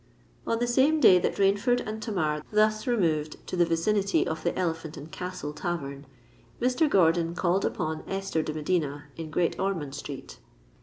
On the same day that Rainford and Tamar thus removed to the vicinity of the Elephant and Castle Tavern, Mr. Gordon called upon Esther de Medina in Great Ormond Street.